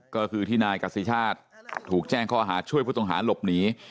ก็คือที่นายกษิชาติถูกแจ้งข้อหาช่วยผู้ต้องหาหลบหนี